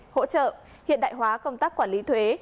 hỗ trợ hiện đại hóa công tác quản lý thuế